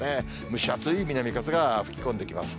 蒸し暑い南風が吹き込んできます。